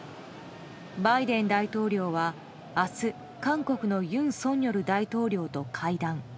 バイデン大統領は明日、韓国の尹錫悦大統領と会談。